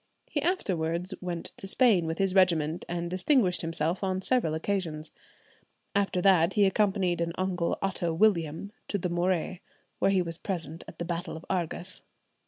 He afterwards went to Spain with his regiment, and distinguished himself on several occasions; after that he accompanied an uncle Otto William to the Morea, where he was present at the battle of Argas.